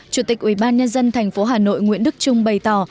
chủ tịch ủy ban nhân dân thành phố hà nội nguyễn đức trung bày tỏ